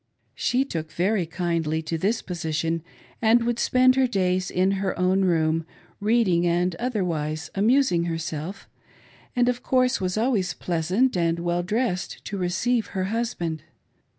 She took very kindly to this position, and would spend her days in her own room, reading and otherwise amusing herself, and, of course, was always pleasant and well dressed to receive her husband.